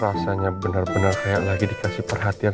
rasanya bener bener kayak lagi dikasih perhatian